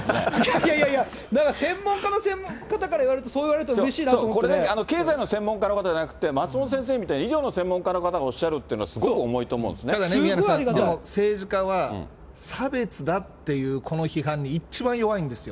いやいやいや、専門家の方から言われると、そう言われるとう経済の専門家の方じゃなくて、松本先生みたいに医療の専門家の方がおっしゃるっていうのは、ただね、宮根さん、政治家は差別だっていう批判に、一番弱いんですよ。